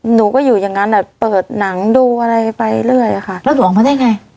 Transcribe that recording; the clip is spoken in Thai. หนูก็อยู่อย่างนั้นอ่ะเปิดหนังดูอะไรไปเรื่อยอะค่ะแล้วหนูออกมาได้ไง